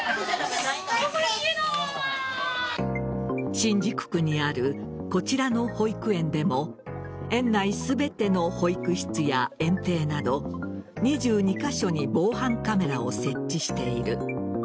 新宿区にあるこちらの保育園でも園内全ての保育室や園庭など２２カ所に防犯カメラを設置している。